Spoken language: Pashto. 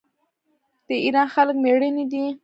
د ایران خلک میړني دي.